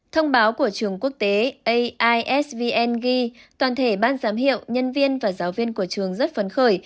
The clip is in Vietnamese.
thông báo của trường quốc tế aisvn ghi toàn thể ban giám hiệu nhân viên và giáo viên của trường rất phấn khởi